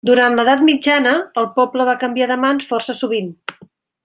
Durant l'edat mitjana, el poble va canviar de mans força sovint.